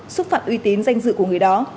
xúc phạm uy tín danh dự của người đó